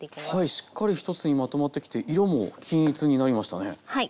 しっかり一つにまとまってきて色も均一になりましたね。